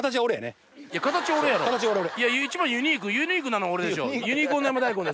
一番ユニークユニークなの俺でしょ。